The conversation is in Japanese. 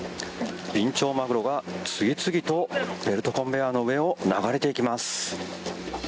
ビンチョウマグロが次々とベルトコンベヤーの上を流れていきます。